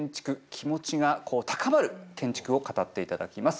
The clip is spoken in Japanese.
気持ちが高まる建築を語っていただきます。